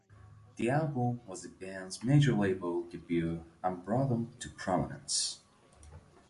The album was the band's major-label debut and brought them to prominence.